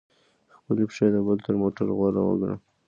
خپلي پښې د بل تر موټر غوره وګڼه!